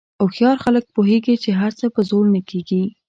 هوښیار خلک پوهېږي چې هر څه په زور نه کېږي.